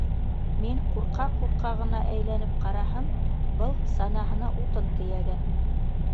Мин ҡурҡа-ҡурҡа ғына әйләнеп ҡараһам, был санаһына утын тейәгән.